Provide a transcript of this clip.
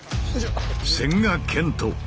千賀健永